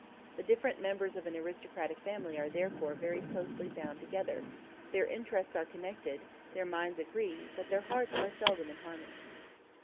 The different members of an aristocratic family are therefore very closely bound together; their interests are connected, their minds agree, but their hearts are seldom in harmony.